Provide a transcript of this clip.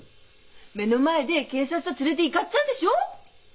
目の前で警察さ連れでいがっちゃんでしょう？